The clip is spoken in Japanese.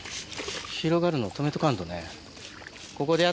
広がるの止めとかんとね。